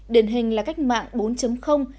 điển hình là cách mạng bốn